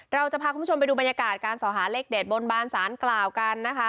เราจะพาคุณผู้ชมไปดูบรรยากาศการสอหาเลขเด็ดบนบานสารกล่าวกันนะคะ